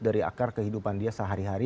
dari akar kehidupan dia sehari hari